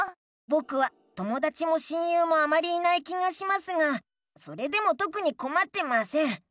ぼくはともだちも親友もあまりいない気がしますがそれでもとくにこまってません。